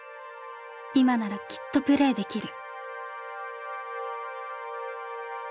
今ならきっとプレーできる」。